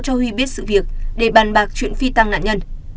cho huy biết sự việc để bàn bạc chuyện phi tăng nạn nhân